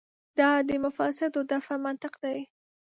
دا د مفاسدو دفع منطق دی.